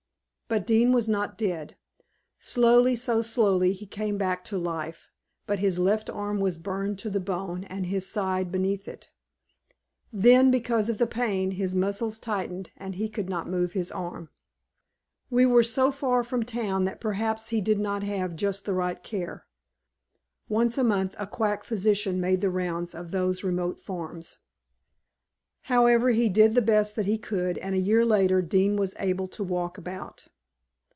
"But Dean was not dead. Slowly, so slowly he came back to life, but his left arm was burned to the bone and his side beneath it. Then, because of the pain, his muscles tightened and he could not move his arm. "We were so far from town that perhaps he did not have just the right care. Once a month a quack physician made the rounds of those remote farms. "However, he did the best that he could, and a year later Dean was able to walk about.